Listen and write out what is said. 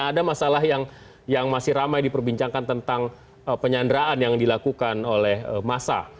ada masalah yang masih ramai diperbincangkan tentang penyanderaan yang dilakukan oleh massa